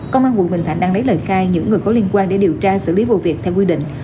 công an quận bình thạnh đang lấy lời khai những người có liên quan để điều tra xử lý vụ việc theo quy định